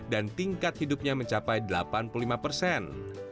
dan tingkat hidupnya mencapai delapan puluh lima persen